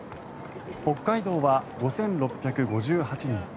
北海道は５６５８人